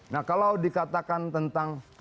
nah kalau dikatakan tentang